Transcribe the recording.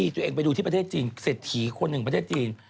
ตัวเองไปดูที่ประเทศจีนเศรษฐีคนหนึ่งประเทศจีน